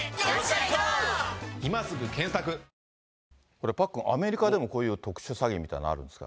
これ、パックン、アメリカでもこういう特殊詐欺みたいなのあるんですか。